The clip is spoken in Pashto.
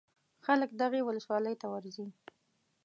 خلک دغې ولسوالۍ ته ورځي.